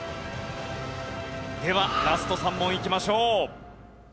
ではラスト３問いきましょう。